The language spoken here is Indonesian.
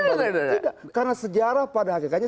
tidak karena sejarah pada hakikatnya